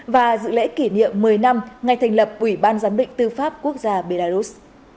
và dự lễ kỷ niệm một mươi năm ngày thành lập ủy ban giám định tư pháp quốc gia belarus